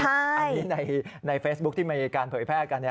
อันนี้ในเฟซบุ๊คที่มีการเผยแพร่กัน